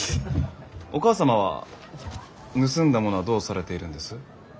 お母様は盗んだものはどうされているんです？